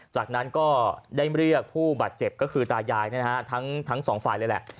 จากนั้นก็ได้เรียกผู้บาดเจ็บก็คือตายายนะฮะทั้งสองฝ่ายเลยแหละ